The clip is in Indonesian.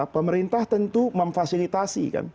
pemerintah tentu memfasilitasi